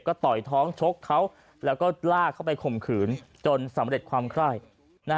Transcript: ก็ต่อยท้องชกเขาแล้วก็ลากเข้าไปข่มขืนจนสำเร็จความไคร่